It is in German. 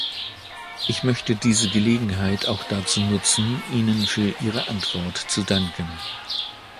Ich möchte diese Gelegenheit auch dazu nutzen, Ihnen für Ihre Antwort zu danken.